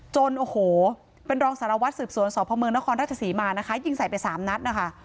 จนโอ้โหเป็นรองสารวัตรสืบสวนสพเมืองนครราชศรีมานะคะยิงใส่ไปสามนัดนะคะ